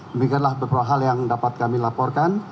demikianlah beberapa hal yang dapat kami laporkan